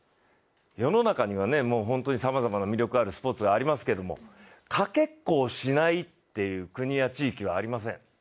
世の中には本当にさまざまな魅力あるスポーツがありますけどもかけっこをしない国や地域ってありません。